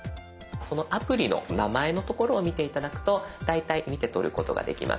そのアプリの名前のところを見て頂くと大体見てとることができます。